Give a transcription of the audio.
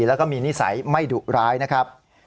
แล้วก็มีนิสัยไม่ดุร้ายนะครับ